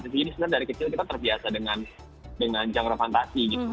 jadi sebenernya dari kecil kita terbiasa dengan genre fantasi gitu